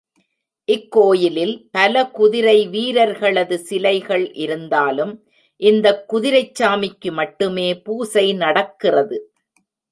இக்கோயிலில் பல குதிரை வீரர்களது சிலைகள் இருந்தாலும் இந்தக் குதிரைச்சாமிக்கு மட்டுமே பூசை நடக்கிறது.